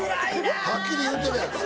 はっきり言うてるやん！